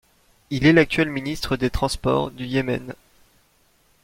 Il est l'actuel ministre des Transports du Yémen.